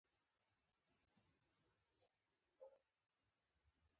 ګردۍ گنبده يې دومره لوړه وه.